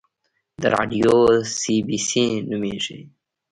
دا راډیو سي بي سي نومیږي